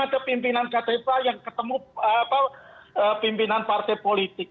ada pimpinan kpk yang ketemu pimpinan partai politik